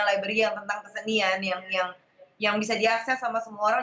library yang tentang kesenian yang bisa diakses sama semua orang